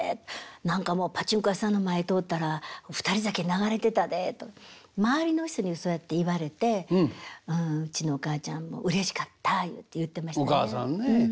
何かもうパチンコ屋さんの前通ったら『ふたり酒』流れてたで」と周りの人にそうやって言われてうちのお母ちゃんも「うれしかった」言ってましたね。